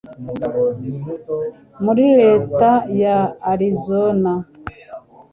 muri Leta ya Arizona,